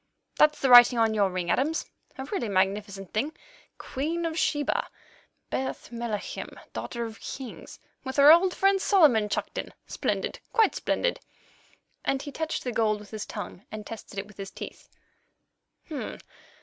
"That's the writing on your ring, Adams—a really magnificent thing. 'Queen of Sheba—Bath Melachim, Daughter of Kings,' with our old friend Solomon chucked in. Splendid, quite splendid!"—and he touched the gold with his tongue, and tested it with his teeth.